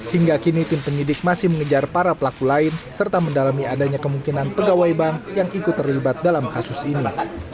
hingga kini tim penyidik masih mengejar para pelaku lain serta mendalami adanya kemungkinan pegawai bank yang ikut terlibat dalam kasus ini